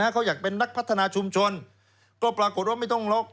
เขาอยากเป็นนักพัฒนาชุมชนก็ปรากฏว่าไม่ต้องล็อก